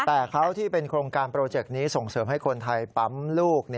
แต่เขาที่เป็นโครงการโปรเจกต์นี้ส่งเสริมให้คนไทยปั๊มลูก